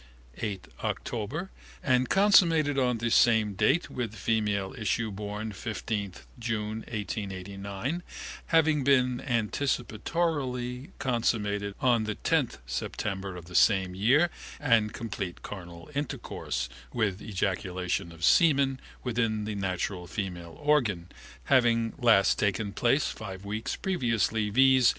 8 October, and consummated on the same date with female issue born 15 June 1889, having been anticipatorily consummated on the 10 September of the same year and complete carnal intercourse, with ejaculation of semen within the natural female organ, having last taken place 5 weeks previous, viz.